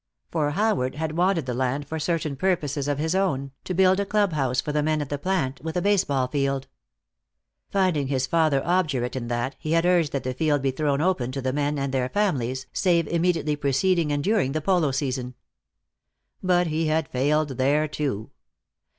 For Howard had wanted the land for certain purposes of his own, to build a clubhouse for the men at the plant, with a baseball field. Finding his father obdurate in that, he had urged that the field be thrown open to the men and their families, save immediately preceding and during the polo season. But he had failed there, too.